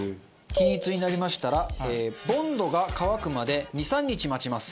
均一になりましたらボンドが乾くまで２３日待ちます。